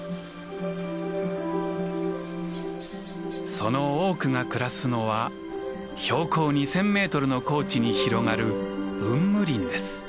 その多くが暮らすのは標高２，０００メートルの高地に広がる「雲霧林」です。